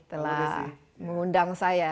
telah mengundang saya